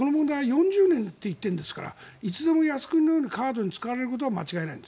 ４０年といっているんですからいつでも靖国のようにカードに使われることは間違いない。